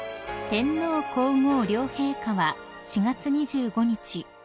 ［天皇皇后両陛下は４月２５日